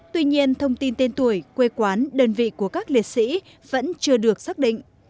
tuy nhiên thông tin tên tuổi quê quán đơn vị của các liệt sĩ vẫn chưa được xác định